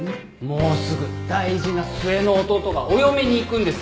もうすぐ大事な末の弟がお嫁に行くんです。